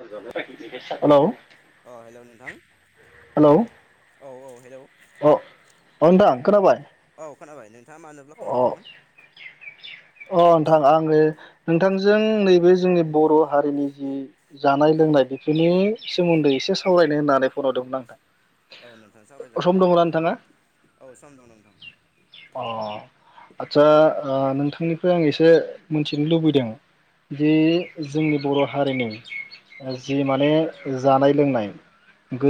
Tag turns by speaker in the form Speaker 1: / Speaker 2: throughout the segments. Speaker 1: हेल'
Speaker 2: अ हेल' नोंथां औ औ हेल'
Speaker 1: अ अ नोंथां खोनाबाय
Speaker 2: औ खोनाबाय नों थाङा मानोब्ला फन
Speaker 1: अ
Speaker 2: हरदोंमोन?
Speaker 1: अ नोंथां आङो नोंथांजों नैबे जोंनि बर' हारिनि जि जानाय लोंनाय बेफोरनि सोमोन्दै एसे सावरायनो होननानै फन हरदोंमोन नोंथां।
Speaker 2: औ नोंथां सावरायजागोन
Speaker 1: सम
Speaker 2: दे
Speaker 1: दङना नोंथाङा
Speaker 2: औ सम दं नोंथां।
Speaker 1: आदचसा ओ नोंथांनिफ्राय आं एसे मिथिनो लुबैदों जे जोंनि बर हारिनि
Speaker 2: औ
Speaker 1: जि माने जानाय लोंनाय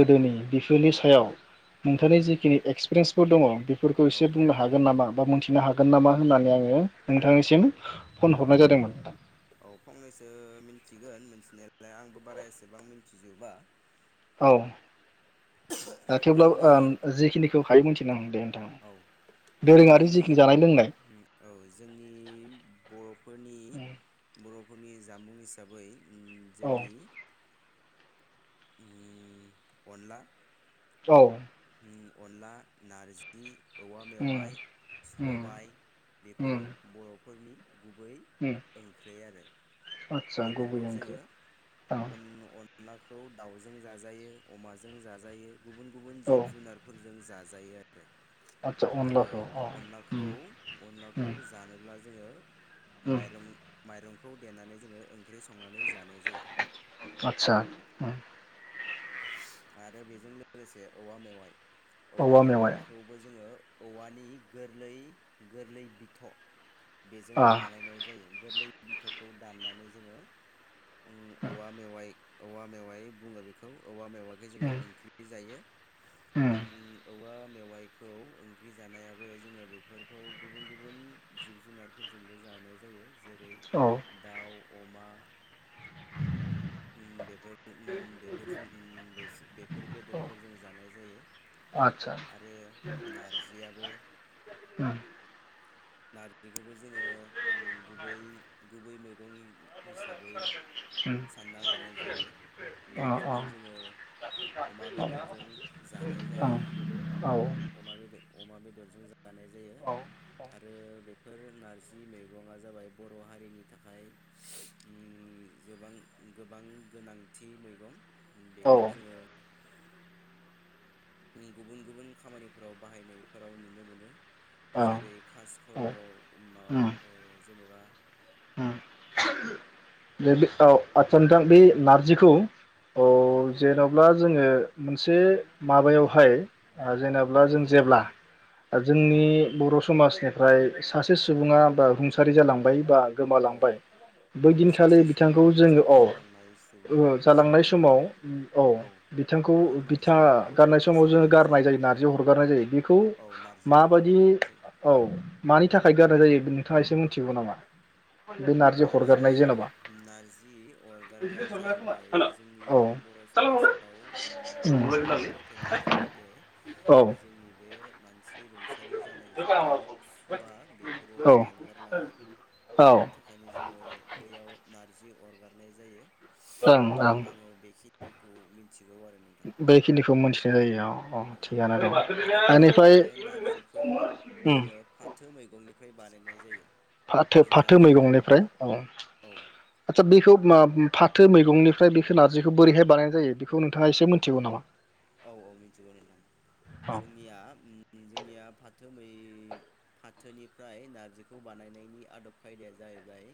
Speaker 2: औ औ
Speaker 1: बिफोरनि सायाव
Speaker 2: औ
Speaker 1: नोंथांनि जिखनि फोर दङ फोरखौ एसे
Speaker 2: औ औ
Speaker 1: बुंनो हागोन नामा? बा मोन नो हागोन नामा होननानै आङो नोंथांनिसिम फन
Speaker 2: औ
Speaker 1: हरनाय जादोंमोन
Speaker 2: औ फंनैसो मिनथि थिगोन मिथिनायालाय आंबो बारा एसेबां मिथिजोबा।
Speaker 1: औ थेवब्लाबो
Speaker 2: जोंनि
Speaker 1: ओ जिखिनिखौ [unintelligible]
Speaker 2: औ
Speaker 1: दोरोङारि
Speaker 2: जोंनि
Speaker 1: जिखिनि जानाय लोंनाय
Speaker 2: उम औ जोंनि बर'फोरनि बर' फोरनि जामुं हिसाबै उम
Speaker 1: औ
Speaker 2: जोंनि उम अनला
Speaker 1: औ
Speaker 2: अनला नारजि औवा
Speaker 1: उम
Speaker 2: मेवाइ
Speaker 1: उम
Speaker 2: सबाय
Speaker 1: उम
Speaker 2: बेफोरो बर'फोरनि गुबै
Speaker 1: उम
Speaker 2: ओंख्रि आरो
Speaker 1: आदसा गुबै
Speaker 2: बेफोरखौ
Speaker 1: ओंख्रि
Speaker 2: जोङो
Speaker 1: औ
Speaker 2: अन-अन अनलाखौ दाउजों जाजायो अमाजों जाजायो।
Speaker 1: औ
Speaker 2: फोरजों जाजायो।
Speaker 1: आदसा
Speaker 2: आरो
Speaker 1: अनलाखौ औ उम
Speaker 2: अनलाखौ अनलाखौ
Speaker 1: उम
Speaker 2: जानोब्ला जोङो
Speaker 1: उम
Speaker 2: माइरं माइरं खौ देनानै जोङो ओं ओंख्रि संनानै जानाय जायो।
Speaker 1: आदसा उम
Speaker 2: आरो बेजों लोगोसे औवा मेवाइ औवा मेवायखौबो जोङो औवानि गोरलै गोरलै बिथ' बेजों
Speaker 1: आ
Speaker 2: बानायनाय जायो गोरलै बिथ' खौ दाननानै जोङो उम औवा मेवाइ औवा मेवाय बुङो बेखौ औवा मेवा जोङो
Speaker 1: उम
Speaker 2: ओंख्रि जायो।
Speaker 1: उम
Speaker 2: ओं औवा मेवाइखौ ओंख्रि जानायाबो जोङो बेफोरखौ गुबुन गुबुन जिब जुनारफोरजोंबो जानाय जायो जेरै
Speaker 1: औ
Speaker 2: दाउ अमा उम बेफोरदो उम बेफोरजों उम बेस-बेफोर बेदरफोरजों जानाय जायो।
Speaker 1: आच्छा
Speaker 2: आरो नारजियाबो
Speaker 1: उम
Speaker 2: नारजिखौबो जोङो गुबै गुबै मैगं हिसाबै
Speaker 1: उम
Speaker 2: सानना लानाय जायो
Speaker 1: अ
Speaker 2: नारजिखौ जोङो अमा बेदरजों जानाय
Speaker 1: ओं
Speaker 2: जायो
Speaker 1: औ
Speaker 2: अमा बेदर अमा बेदरजों जानाय जायो आरो बेफोर नारजि मैगङा जाबाय बर' हारिनि थाखाय ओम गोबां गोबां गोनांथि मैगं
Speaker 1: औ
Speaker 2: बेखौ
Speaker 1: औ
Speaker 2: जोङो गुबुन गुबुन खामानिफोराव बाहायनायफोराव नुनो मोनो जेरै खास
Speaker 1: औ औ
Speaker 2: धर्म माबा
Speaker 1: उम
Speaker 2: ओ जेनेबा
Speaker 1: उम बे औ आतसा नोंथां बे नारजिखौ औ
Speaker 2: औ
Speaker 1: जेन'ब्ला जोङो मोनसे माबायावहाय जेनब्ला
Speaker 2: औ
Speaker 1: जों
Speaker 2: औ
Speaker 1: जेब्ला जोंनि
Speaker 2: औ
Speaker 1: बर' समाज बेनिफ्राय सासे सुबुङा बा रुंसारि जालांबाय बा
Speaker 2: औ
Speaker 1: गोमालांबाय
Speaker 2: औ
Speaker 1: बैदिन खालि
Speaker 2: सासे
Speaker 1: बिथांखौ
Speaker 2: सुबुङा
Speaker 1: जोङो
Speaker 2: रुंसारि जालांनाय
Speaker 1: औ
Speaker 2: सुबुंनिफ्राय
Speaker 1: जालांनाय समाव
Speaker 2: सुबुंनियाव
Speaker 1: औ बिथांखौ
Speaker 2: बे नारजि
Speaker 1: बिथा
Speaker 2: ओंख्रिखौ
Speaker 1: गारनाय समाव जोङो
Speaker 2: जानाय
Speaker 1: गारनाय जायो नारजि अरगारनाय जायो बेखौ
Speaker 2: औ नारजि
Speaker 1: माबायदि
Speaker 2: अरगारनाय जायो
Speaker 1: औ मा मानि थाखाय गारनाय जायो नोंथाङा एसे मिथिगौ नामा बे नारजि हरगारनाय जेनबा
Speaker 2: नारजि अरगारनाया जाहैबाय जोंनि
Speaker 1: औ
Speaker 2: बर' समाजाव बेफोरबायदि फोथायनाय जायोदे
Speaker 1: औ
Speaker 2: जोंनि बे मानसि रुंसारि जानाय जिहेथु सुवा बेफोरो दानगारलाङो
Speaker 1: औ
Speaker 2: बेनि थाख ओंखायनो जोङो बैयाव नारजि अरगारनाय जायो
Speaker 1: ओं ओं
Speaker 2: निखौ मिन
Speaker 1: बेखिनिखौ मोनथिनाय जायो अह
Speaker 2: औ आरो बै नैबे नारजिखौ
Speaker 1: उम
Speaker 2: जोङो फाथो मैगंनि फ्राय बानायनाय जायो
Speaker 1: फाथो
Speaker 2: जोंना
Speaker 1: फाथो
Speaker 2: जे
Speaker 1: मैगंनिफ्राय औ
Speaker 2: औ
Speaker 1: आदसा बेखौ मा फाथो मैगंनिफ्राय बेखौ नारजिखौ बोरैहाय बानायनाय जायो बेखौ नोंथाङा एसे मोनथिगौ नामा
Speaker 2: औ औ मिथिगौ नोंथां
Speaker 1: औ
Speaker 2: जोंनिया जोंनिया फा थो फाथोनिफ्राय नारजिखौ बानायनायनि आदब खायदाया जाहैबाय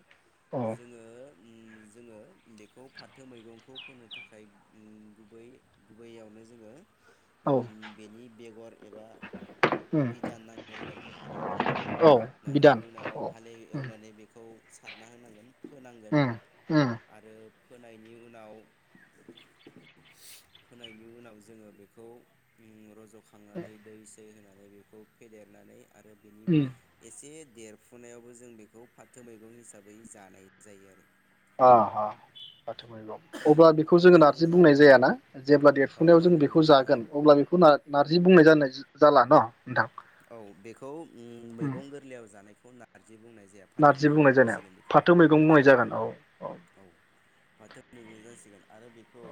Speaker 1: औ
Speaker 2: जोङो ओम जोङो बेखौ फाथो मैगंखौ फोनो थाखाय ओम गुबै गुबैयावनो जोङो ओ
Speaker 1: औ
Speaker 2: बेनि बेगर एबा
Speaker 1: उम
Speaker 2: बिदान नांगोरगोन
Speaker 1: औ बिदान
Speaker 2: नांगोरनायनि उनाव
Speaker 1: औ
Speaker 2: हालेव
Speaker 1: उम
Speaker 2: एवनानै बेखौ सारना होनांगोन। फोनांगोन
Speaker 1: उम उम
Speaker 2: आरो। फोनायनि उनाव फोनायनि उनाव जोङो बेखौ ओम रज' खांनानै दै सै होनानै [unintelligible] बेखौ फेदेरनानै आरो बेनि
Speaker 1: उम
Speaker 2: एसे देरफुनायावबो जों बेखौ फाथो मैगं हिसाबै जानाय जायो आरो।
Speaker 1: अ अ फाथो मैगं अब्ला बेखौ
Speaker 2: फाथो
Speaker 1: जोङो
Speaker 2: मैगं
Speaker 1: नारजि
Speaker 2: जा
Speaker 1: बुंनाय जायाना जेब्ला
Speaker 2: औ
Speaker 1: देरफुनायाव
Speaker 2: मा
Speaker 1: जों
Speaker 2: होनदोंमोन
Speaker 1: बेखौ
Speaker 2: नोंथाङा
Speaker 1: जागोन अब्ला बेखौ नार-नारजि बुंनाय जानाय जाला न?
Speaker 2: औ बेखौ ओम
Speaker 1: उम
Speaker 2: मैगं गोरलैयाव जानायखौ [unintelligible] बुंनाय जाया फाथो
Speaker 1: नारजि बुंनाय
Speaker 2: मैगं
Speaker 1: जानाया
Speaker 2: बुंसिगोन बेखौ
Speaker 1: फाथो मैगं बुंनाय
Speaker 2: औ
Speaker 1: जागोन
Speaker 2: औ फाथो मैगं जासिगोन आरो बेखौ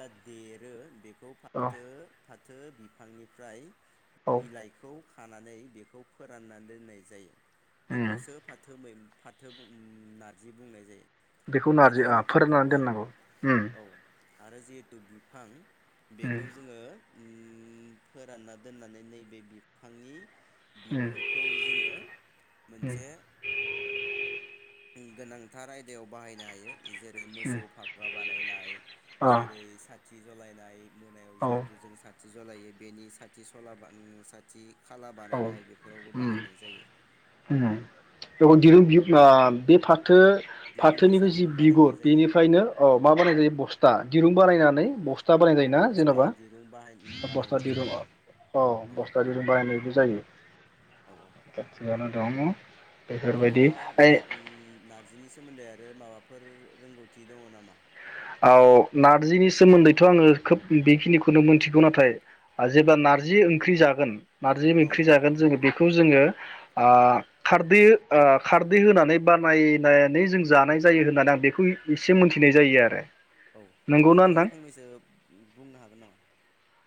Speaker 2: दा देरो बेखौ खौ
Speaker 1: औ
Speaker 2: फाथो फा फाथो बिफांनिफ्राय
Speaker 1: औ
Speaker 2: बिलाइ खौ खानानै बेखौ फोरानना दोननाय जायो।
Speaker 1: उम
Speaker 2: बेखौसो फाथो मै फाथो बुं नारजि बुंनाय जायो।
Speaker 1: बेखौ नारजि
Speaker 2: आरो
Speaker 1: [unintelligible]
Speaker 2: जिहेथु
Speaker 1: फोराननानै
Speaker 2: बिफां
Speaker 1: दोननांगौ ओम।
Speaker 2: औ आरो जिहेतु बिफां बेखौ जोङो उम फोरानना दोननानै नैबे बि फांनि
Speaker 1: उम
Speaker 2: बिगुरखौ जोङो
Speaker 1: उम
Speaker 2: मोनसे गोनांथार आयदायाव बाहायनो हायो। जेरै
Speaker 1: उम
Speaker 2: मोसौ फाखा बानायनाय
Speaker 1: अ
Speaker 2: जेरै सा थि जलायनाय मोनायाव
Speaker 1: औ
Speaker 2: जिहेथु जों सा थि जलायो बेनि साथि सला बान साथ [unintelligible] खाला
Speaker 1: औ
Speaker 2: बानायनाय बेफोरावबो बाहायनाय जायो।
Speaker 1: [inaudible] थो
Speaker 2: दिरुं
Speaker 1: फाथोनिफ्राय जि
Speaker 2: हिसाबैबो
Speaker 1: बिगुर
Speaker 2: बाहायनाय जायो
Speaker 1: बेनिफ्रायनो औ मा बानाय जायो बस्था दिरुं बानायनानै
Speaker 2: औ
Speaker 1: बस्था बानाय
Speaker 2: औ
Speaker 1: जायो ना
Speaker 2: बस्था
Speaker 1: जेन'बा
Speaker 2: दिरुं बाहाय
Speaker 1: बस्था
Speaker 2: बानायनाय
Speaker 1: दिरुं
Speaker 2: जायो
Speaker 1: अ औ बस्था दिरुं बानायनाय ज जायो
Speaker 2: औ औ
Speaker 1: [unintelligible] दङ'
Speaker 2: नोंथाङा [unintelligible] नारजिनि सोमोन्दै आरो माबाफोर रोंगौथि दङ' नामा
Speaker 1: औ नारजिनि सोमोन्दैथ' आङो खोब बेखिनिखौनो मिनथिगौ नाथाय आ जेब्ला नारजि ओंख्रि जागोन नारजि
Speaker 2: औ
Speaker 1: ओंख्रि
Speaker 2: औ
Speaker 1: जागोन जोङो बेख खौ जोङो ओ खारदै हो ओ खारदै होनानै बानायनानै जों जानाय जायो होननानै आं बेखौ एसे मोनथिनाय जायो आरो
Speaker 2: औ
Speaker 1: नंगौना नोंथां
Speaker 2: नोंथाङा फंनैसो बुंनो हागोन नामा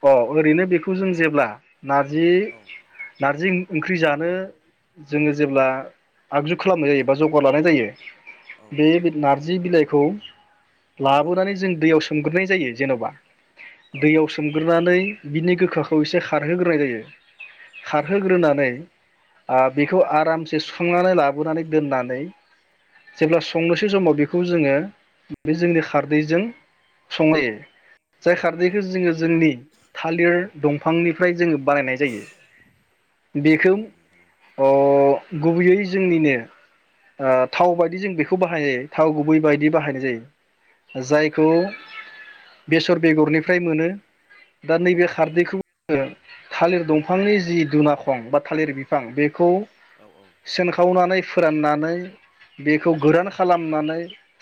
Speaker 1: अ ओरैनो बेखौ जों जेब्ला नारजि
Speaker 2: औ
Speaker 1: नारजि [unintelligible] ओंख्रि जानो जोङो जेब्ला आगजु खालामनाय जायो बा जगार लानाय
Speaker 2: औ
Speaker 1: जायो बे बिद नारजि बिलाइ खौ
Speaker 2: औ
Speaker 1: लाबोनानै जों दैयाव सो [unintelligible] ग्रोनाय जायो जेन'बा
Speaker 2: औ
Speaker 1: दैयाव सोमग्रोनानै बिनि गोखाखौ एसे खारहोग्रोनाय जायो
Speaker 2: औ
Speaker 1: खारहोग्रोनानै आ बेखौ आरामसे सुखांनानै लाबोनानै दोननानै
Speaker 2: औ
Speaker 1: जेब्ला संनोसै समाव बेखौ जोङो बे जोंनि ख खारदैजों सङो जाय
Speaker 2: औ
Speaker 1: खारदैखो जोङो जोंनि थालिर दंफांनिफ्राय जोङो [unintelligible] बानायनाय जायो बेखौ
Speaker 2: औ नोंथां
Speaker 1: अ गुबैयै जोंनिनो ओ थाव बायदि जों बेखौ बाहायनाय जायो थाव गुबै बायदि बाहायनाय जायो
Speaker 2: औ
Speaker 1: जायखौ बेसर बेगरनिफ्राय मोनो दा
Speaker 2: औ
Speaker 1: नैबे
Speaker 2: औ
Speaker 1: खारदैखौ जोङो थालिर दंफांनि जि दुनाखं बा थालिर बिफां बेखौ
Speaker 2: औ
Speaker 1: सोनखावनानै फोराननानै बेखौ गोरान खालामनानै [inaudible]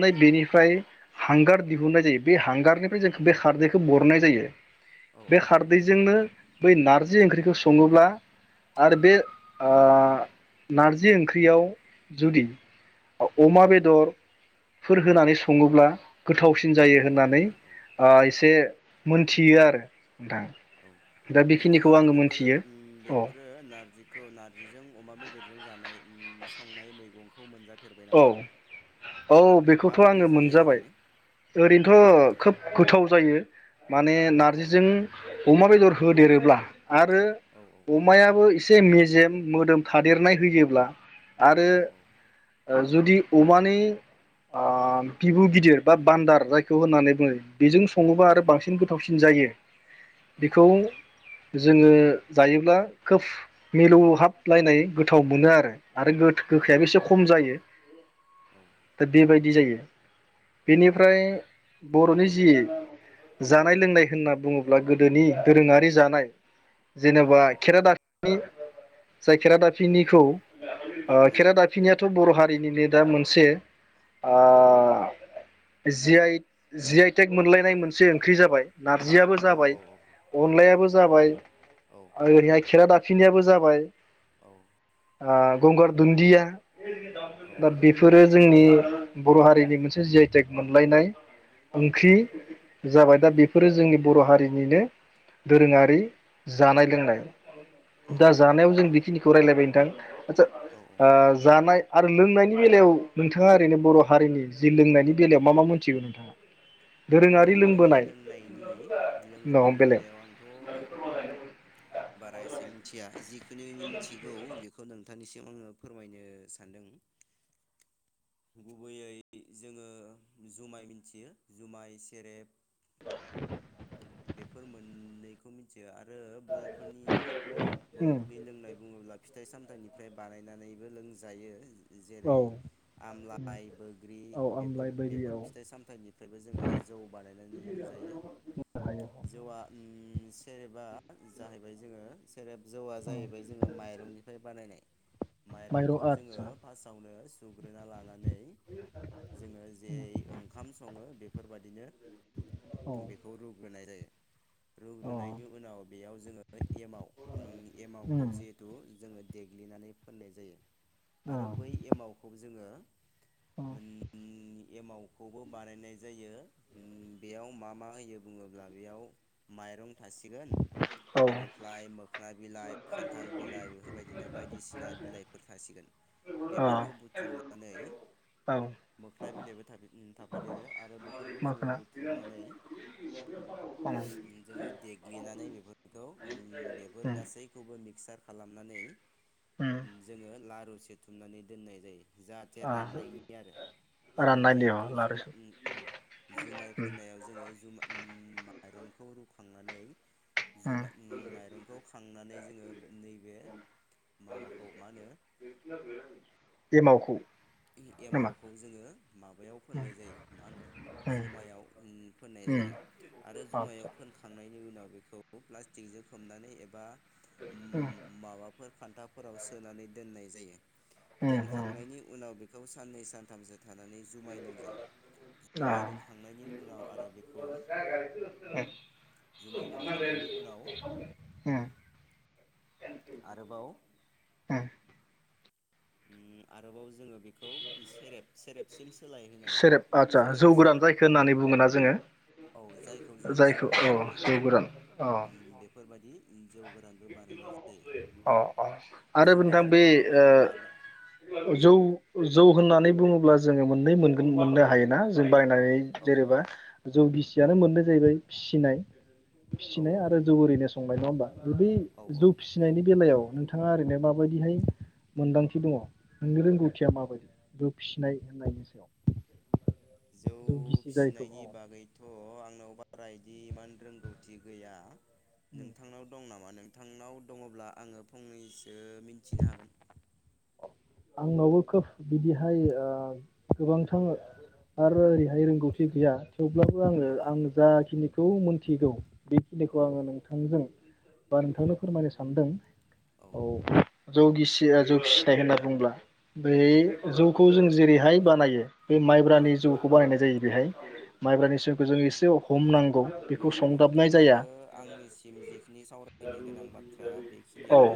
Speaker 2: औ
Speaker 1: बेनि हांगार दिहुननाय जायो। बे हांगारनिफ्राय जों बे खारदैखो बर'न्नाय जायो। बे खारदैजोंनो बै नार्जि ओंख्रिखौ सङोब्ला आरो बे आ नार्जि ओंख्रियाव जुदि अमा बेदरफोर होनानै सं [unintelligible] ङोब्ला गोथावसिन जायो
Speaker 2: नंगौ
Speaker 1: होननानै
Speaker 2: नोंथां
Speaker 1: आ एसे मोनथियो आरो। नोंथां
Speaker 2: औ
Speaker 1: दा बेखिनिखौ
Speaker 2: नोंथाङा
Speaker 1: आङो
Speaker 2: बेफोर
Speaker 1: मोनथियो
Speaker 2: उम
Speaker 1: औ
Speaker 2: बेफोरो नार्जिखौ नार्जिजों अमा बेदरजों जानाय उम संनाय मैगंखौ मोनजा
Speaker 1: औ औ बेखौथ'
Speaker 2: माबादि
Speaker 1: आङो
Speaker 2: जायो
Speaker 1: मोनजाबाय
Speaker 2: ओरैनो
Speaker 1: ओरैनोथ' खोब गोथाव जायो। माने
Speaker 2: औ
Speaker 1: नार्जिजों अमा बेदर होदेरोब्ला आरो
Speaker 2: औ
Speaker 1: अमायाबो इ से मेजेम मोदोम थादेरनाय होयोब्ला आरो
Speaker 2: औ
Speaker 1: ओ जुदि अमानि आ बिबु गिदिर बा बान्दार जायखौ होननानै बुङो बेजों सङोबा
Speaker 2: औ
Speaker 1: आरो बांसिन गोथावसिन जायो।
Speaker 2: औ
Speaker 1: बेखौ जोङो जायोब्ला खोब मिलौ हाबलायनाय गोथाव मोनो आरो। आरो
Speaker 2: औ
Speaker 1: गोथ-गोखायाबो एसे खम जायो। दा बे बाय दि जायो। बेनिफ्राय बर'नि जि जानाय लोंनाय होनना बुङोब्ला गोदोनि दोरोङारि जानाय जेनेबा खेरादा [inaudible] नि। जाय
Speaker 2: औ
Speaker 1: खेरादाफिनिखौ ओ
Speaker 2: औ
Speaker 1: खेरादाफिनियाथ' बर' हा रिनिनो दा मोनसे आ जि आइ जि आइ टेक मोनलायनाय मोनसे ओंख्रि जाबाय। नार्जियाबो
Speaker 2: औ
Speaker 1: जाबाय,
Speaker 2: औ
Speaker 1: अनलायाबो जाबाय,
Speaker 2: औ
Speaker 1: ओरैहाय खेरादा फिनियाबो जाबाय।
Speaker 2: औ।
Speaker 1: आ गंगार दुन्दिया। दा बेफोरो जोंनि बर' हारिनि मोनसे जि आइ टेक मोनलायनाय
Speaker 2: औ
Speaker 1: ओंख्रि जाबाय, दा बेफोरो जोंनि बर' हारि बिनिनो दोरोङारि जानाय लोंनाय। दा
Speaker 2: औ
Speaker 1: जानायाव जों बेखिनि खौ रायलायबाय नोंथां। आतसा
Speaker 2: औ
Speaker 1: ओ जानाय आरो लोंनायनि बेलायाव नोंथाङा ओरैनो बर' हारिनि जि लोंनायनि बेलायाव मा मा मोनथिगौ नोंथाङा?
Speaker 2: बर'
Speaker 1: दोरोङारि
Speaker 2: हारिनि
Speaker 1: लोंबोनाय
Speaker 2: लोंनायनि लोंनायनि बेलायाव आंथ' बाराय एसे मिथिया जि बेखौनो मिनथिगौ बेख बेखौ नोंथांनिसिम आङो फोरमायनो सानदों। गुबैयै जोङो जुमाय मिथियो जुमाय सेरेब बेफोर मोननैखौ मिथियो आरो बर'फोरनि
Speaker 1: उम
Speaker 2: बर'फोरनि लोंनाय बुङोब्ला फिथाइ सामथायाइनि ओमफाय बानायनानैबो लोंजायो।
Speaker 1: औ
Speaker 2: जेरै
Speaker 1: उम
Speaker 2: आमलाइ बोग्रि
Speaker 1: औ
Speaker 2: बेफोर
Speaker 1: आमलाय बायदि
Speaker 2: बेफोर
Speaker 1: औ
Speaker 2: फिथाइ सामथाइनिफ्रायबो जोङो जौ बानायनानै लोंजायो।
Speaker 1: हायो
Speaker 2: जौआ सेरेबा जाहैबाय जोङो सेरेब जौआ जाहैबाय जोङो माइरंनिफ्राय बानायनाय।
Speaker 1: माइरं
Speaker 2: माइरंखौ जोङो
Speaker 1: आदसा
Speaker 2: फास्टावनो सुग्रोना लानानै जोङो जेरै ओंखाम सङो बे बिदिनो
Speaker 1: औ
Speaker 2: बेखौ रु होननाय जायो।
Speaker 1: अ
Speaker 2: रुग्रोनायनि उनाव बेयाव जोङो एमाव एमावखौ
Speaker 1: उम
Speaker 2: जिहेथु जोङो देग्लिनानै फोननाय जायो।
Speaker 1: औ
Speaker 2: आरो बै एमावखौ जोङो
Speaker 1: औ
Speaker 2: मोन एमावखौबो बानायनाय जायो। ओम बेयाव मा मा होयो? बुङोब्ला बेयाव माइरं थासिगोन
Speaker 1: औ
Speaker 2: बेनिफ्राय मोख्ना बिलाइ खान्थाल बिलाइ बेफोरबायदिनो बायदिसिना बिलाइफोर थासिगोन
Speaker 1: औ
Speaker 2: बेफोरखौ बुथुमनानै
Speaker 1: औ
Speaker 2: मो फ्लाय बिलाइबो थाफे ओ थाफादेरो। आरो बेफोरखौ जोङो
Speaker 1: मोखोना
Speaker 2: बुथुमनानै
Speaker 1: उम
Speaker 2: जोङो देग्लिनानै बेफोरखौ ओ बेफोर
Speaker 1: उम
Speaker 2: गासैखौबो मिक्सार खालामनानै
Speaker 1: उम
Speaker 2: जोङो लारु सेथुमनानै दोननाय जायो। जाहाथे
Speaker 1: ओ
Speaker 2: राननायनि आरो जोङो
Speaker 1: राननायनि अ
Speaker 2: जिहेथु
Speaker 1: लारु
Speaker 2: जुमा उम औ जुमाय
Speaker 1: उम
Speaker 2: फोननायाव जोङो जुमा माइरंखौ रुखांनानै जुमाय उम माइरंखौ खांनानै जोङो नैबे माबाखौ मा होनो
Speaker 1: एमावखौ नामा
Speaker 2: एमावखौ जोङो माबायाव
Speaker 1: उम
Speaker 2: फोननाय जायो मा होनो
Speaker 1: उम
Speaker 2: जुमायाव फोननाय
Speaker 1: उम
Speaker 2: जायो आरो जुमायाव
Speaker 1: आतसा
Speaker 2: फोनखांनाय उनाव बेखौ प्लास्टिकजों खोबनानै एबा उम माबाफोर खान्थाफोराव सोनानै दोननाय जायो।
Speaker 1: उम उम
Speaker 2: दोनखांनायनि बेखौ साननै सानथाम जो थानानै जुमायलोंजायो
Speaker 1: अ
Speaker 2: जुमाय लोंखांनायनि उनाव आरो बेखौ जुमाय लोंखांनायनि उनाव
Speaker 1: उम
Speaker 2: आरोबाव
Speaker 1: उम
Speaker 2: उम आरोबावज जोङो बेखौ सेरेब सेरेबसिम सोलाय होनो हायो
Speaker 1: सेरेब आदसा जौ
Speaker 2: सेरेबसिम
Speaker 1: गोरान जायखो होननानै बुङोना जोङो
Speaker 2: औ जायखौ जोङो जौ
Speaker 1: जायखौ औ
Speaker 2: गोरान बुङो
Speaker 1: जौ गोरान अ
Speaker 2: उम बेफोरबायदि जौ गोरानबो बानायनाय जायो
Speaker 1: [unintelligible] अ अ आरो
Speaker 2: जौ
Speaker 1: बोनथां बे
Speaker 2: गोरानखौ माबायदि बानाय
Speaker 1: ओ जौ जौ होननानै बुङोब्ला जोङो मोननै मोनगोन मोननो हायोना जों बायनाय
Speaker 2: औ
Speaker 1: जेरेबा जौगिसियानो मोननै जाहैबाय फिसिनाय
Speaker 2: औ
Speaker 1: फिसिनाय
Speaker 2: औ
Speaker 1: आरो जौ ओरैनो फंबाय नङा होमबा आरो बै
Speaker 2: औ
Speaker 1: जौ
Speaker 2: औ
Speaker 1: फिसिनायनि बेलायाव नोंथाङा ओरैनो माबायदिहाय मोनदांथि दङ' नोंनि रोंगौथिया माबायदि जौ फिसिनाय होननायनि सायाव
Speaker 2: जौ
Speaker 1: गिसि जायखौ
Speaker 2: फिसिनायनि
Speaker 1: औ
Speaker 2: बागैथ' आंनाव बा ब्रायदि एमान रोंगौथि गैया नोंथांनाव दं नामा नों नोंथांनाव दङ'ब्ला आङो फंनैसो मिन्थिनो हागोन।
Speaker 1: आंनावबो खोब बिदिहाय ओ गोबांथां आरो ओरैहाय रोंगौथि गैया थेवब्लाबो आङो
Speaker 2: औ
Speaker 1: आं जाखिनि खौ मोन्थिगौ
Speaker 2: औ
Speaker 1: बेखिनिखौ
Speaker 2: औ
Speaker 1: आङो नोंथांजों दा
Speaker 2: औ
Speaker 1: नोंथांनो फोरमायनो सानदों। औ जौ गिसि रा जौ गिसि फिथाइ होनना बुंब्ला
Speaker 2: औ
Speaker 1: बेै जौ खौ जों जेरैहाय बानायो बे
Speaker 2: औ
Speaker 1: माइब्रानि जौखौ बानायनाय जायो। बेहाय माइब्रानि रोसिखौ जों एसे हमनांगौ
Speaker 2: नों
Speaker 1: बेखौ
Speaker 2: नोंथां
Speaker 1: संदाबनाय जाया
Speaker 2: आरो आंनिसिम जिखिनि सावरायनो गोनां बाथ्रा
Speaker 1: औ
Speaker 2: बेखिनियावनो